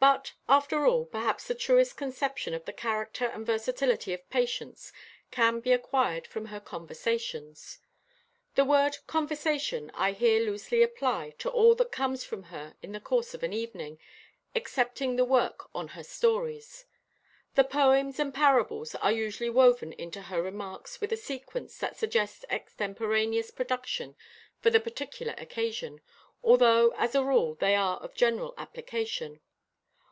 But after all, perhaps the truest conception of the character and versatility of Patience can be acquired from her "conversations." The word "conversation" I here loosely apply to all that comes from her in the course of an evening, excepting the work on her stories. The poems and parables are usually woven into her remarks with a sequence that suggests extemporaneous production for the particular occasion, although as a rule they are of general application.